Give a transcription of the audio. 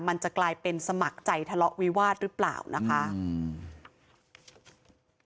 มันจะกลายเป็นสมัครใจทะเลาะวิวาสหรือเปล่านะคะอืม